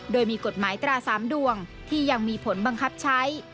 โดยมีกฎหมายตรา๓ดวงที่ยังมีผลบังคับใช้